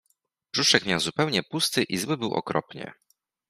Brzuszek miał zupełnie pusty i zły był okropnie.